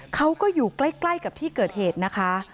เขาก็อยู่ใกล้กับที่เกิดเหตุนะคะ